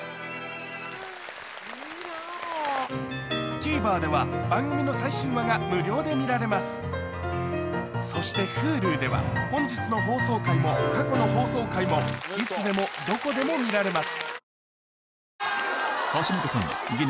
ＴＶｅｒでは番組の最新話が無料で見られますそしてＨｕｌｕでは本日の放送回も過去の放送回もいつでもどこでも見られます